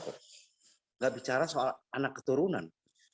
tidak bicara soal anak keturunan